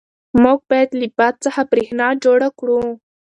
موږ باید له باد څخه برېښنا جوړه کړو.